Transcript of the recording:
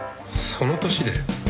その年で？